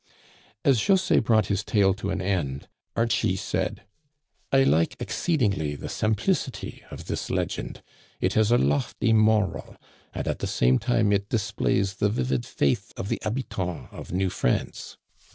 As José brought his tale to an end, Archie said :I like exceedingly the simplicity of this legend. It has a lofty moral, and at the same time it displays the vivid faith of the habitants of New France.